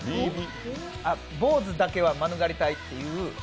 ボウズだけは免れたいっていう。